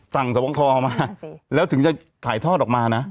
สวบคอออกมาแล้วถึงจะถ่ายทอดออกมานะ